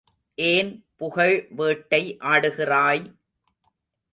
ஏன் புகழ்வேட்டை ஆடுகிறாய்!